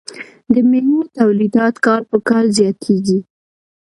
د میوو تولیدات کال په کال زیاتیږي.